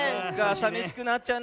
さびしくなっちゃうな。